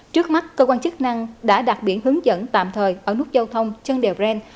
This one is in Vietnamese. trước mắt cơ quan chức năng đã đặt biển hướng dẫn tạm thời ở nút giao thông chân đèo ren